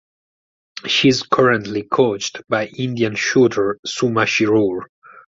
She is currently coached by Indian shooter Suma Shirur.